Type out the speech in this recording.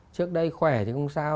trước đây khỏe thì không sao